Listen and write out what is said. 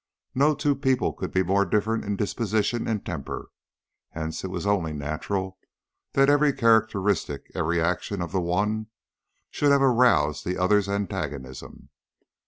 No two people could be more different in disposition and temper, hence it was only natural that every characteristic, every action of the one should have aroused the other's antagonism.